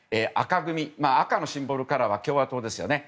赤のシンボルカラーは共和党ですよね。